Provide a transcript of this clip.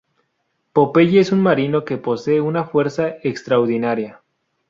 Popeye es un marinero que posee una fuerza extraordinaria.